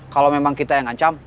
kalo memang kita yang ancam